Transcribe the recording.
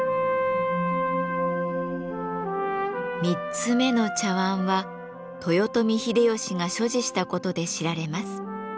３つ目の茶碗は豊臣秀吉が所持した事で知られます。